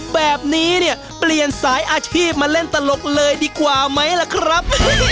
แบบนี้เนี่ยเปลี่ยนสายอาชีพมาเล่นตลกเลยดีกว่าไหมล่ะครับ